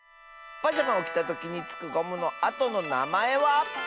⁉パジャマをきたときにつくゴムのあとのなまえは。